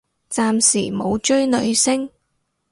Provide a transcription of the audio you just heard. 暫時冇追女星